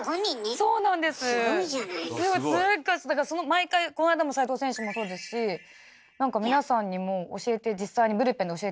そうだから毎回この間も斎藤選手もそうですしなんか皆さんにも実際にブルペンで教えて頂いて。